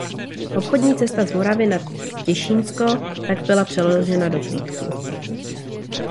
Obchodní cesta z Moravy na Těšínsko tak byla přeložena do Frýdku.